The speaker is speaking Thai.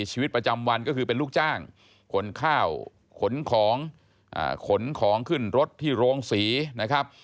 ชีวิตประจำวันก็คือเป็นลูกจ้างขนข้าวขนของขนของขึ้นรถที่โรงศรีนะครับ